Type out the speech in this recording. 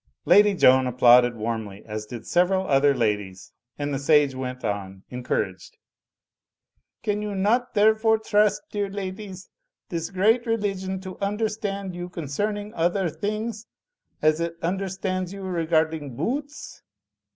Lady Joan applauded warmly, as did several other ladies, and the sage went on, encouraged. "Can you not therefore trust, dear ladies, this great religion to understand you concerning other things, as it understands you regarding boo oots?